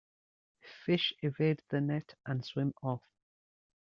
Fish evade the net and swim off.